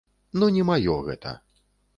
Ну не маё гэта!